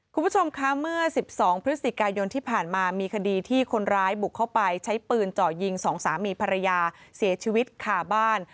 คุณผู้ชมคะเมื่อ๑๒พฤศจิกายนที่ผ่านมามีคดีที่คนร้ายบุกเข้าไปใช้ปืนเจาะยิงสองสามีภรรยาเสียชีวิตขาบ้าน